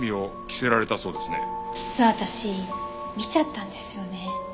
実は私見ちゃったんですよね。